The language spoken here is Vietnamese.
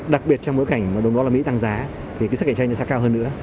đặc biệt trong mối cảnh mà đồng đó là mỹ tăng giá thì cái sức cạnh tranh sẽ cao hơn nữa